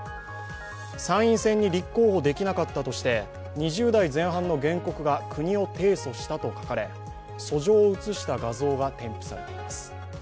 参院選に立候補できなかったとして２０代前半の原告が国を提訴したと書かれ訴状を写した画像が添付されています。